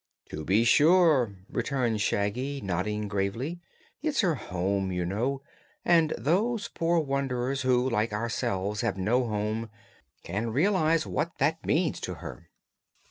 "To be sure," returned Shaggy, nodding gravely. "It's her home, you know, and those poor wanderers who, like ourselves, have no home, can realize what that means to her."